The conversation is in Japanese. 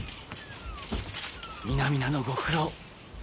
皆々のご苦労